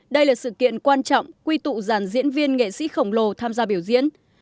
đây là sự kiện quan trọng quy tụ dàn diễn viên nghệ sĩ khổng lồ tham gia biểu diễn